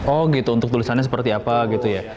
oh gitu untuk tulisannya seperti apa gitu ya